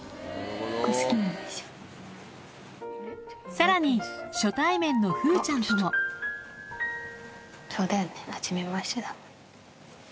さらに初対面の風ちゃんともそうだよねはじめましてだ。